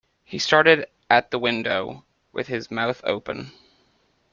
He stared at the window, with his mouth open.